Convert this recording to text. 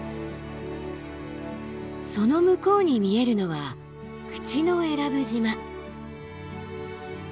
その向こうに見えるのは口永良部島。